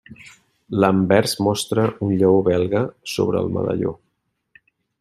L'anvers mostra un Lleó belga sobre el medalló.